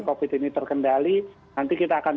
covid ini terkendali nanti kita akan